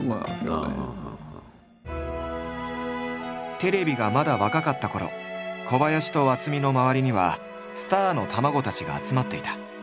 テレビがまだ若かったころ小林と渥美の周りにはスターの卵たちが集まっていた。